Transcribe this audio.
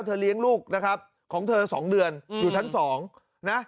เลี้ยงลูกนะครับของเธอ๒เดือนอยู่ชั้น๒นะ